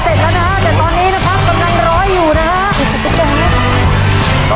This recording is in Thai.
แล้วนะฮะแต่ตอนนี้นะฮะกำลังร้อยอยู่นะฮะ